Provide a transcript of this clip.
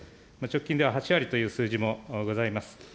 直近では８割という数字もございます。